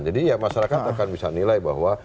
jadi masyarakat akan bisa menilai bahwa